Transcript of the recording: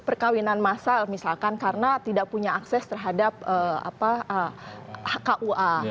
perkawinan masal misalkan karena tidak punya akses terhadap kua